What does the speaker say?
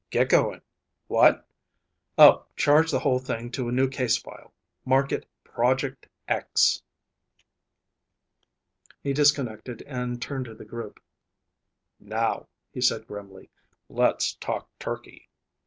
Get going. What? Oh, charge the whole thing to a new case file. Mark it Project X." He disconnected and turned to the group. "Now," he said grimly, "let's talk turkey."